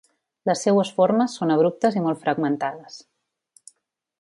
Les seues formes són abruptes i molt fragmentades.